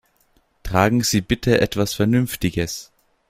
Tragen Sie bitte etwas Vernünftiges!